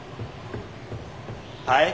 はい？